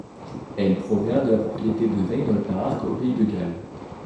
Elle provient de la propriété de Vaynol Park au Pays de Galles.